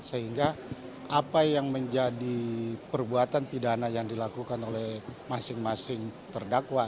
sehingga apa yang menjadi perbuatan pidana yang dilakukan oleh masing masing terdakwa